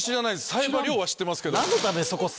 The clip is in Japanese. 冴羽は知ってますけど。